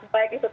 baik itu tempat